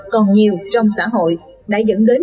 còn nhiều trong xã hội đã dẫn đến